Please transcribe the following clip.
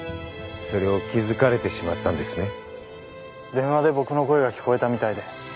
電話で僕の声が聞こえたみたいで。